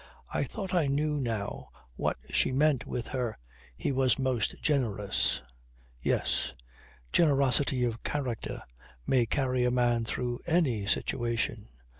I thought I knew now what she meant with her "He was most generous." Yes. Generosity of character may carry a man through any situation.